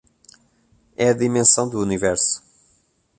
É a dimensão do universo.